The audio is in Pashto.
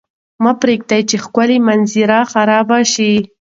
مه پرېږدئ چې ښکلې منظرې خرابې شي.